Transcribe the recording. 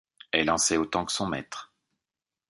Elle en sait autant que son maître.